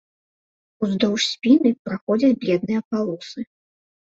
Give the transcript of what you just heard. Уздоўж спіны праходзяць бледныя палосы.